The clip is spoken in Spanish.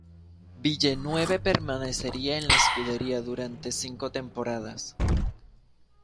Villeneuve permanecería en la escudería durante cinco temporadas.